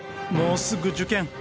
もうすぐ受験。